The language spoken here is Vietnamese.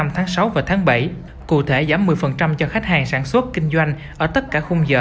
năm tháng sáu và tháng bảy cụ thể giảm một mươi cho khách hàng sản xuất kinh doanh ở tất cả khung giờ